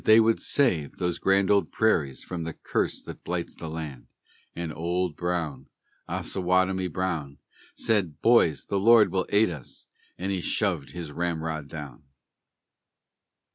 They would save those grand old prairies from the curse that blights the land; And Old Brown, Osawatomie Brown, Said, "Boys, the Lord will aid us!" and he shoved his ramrod down.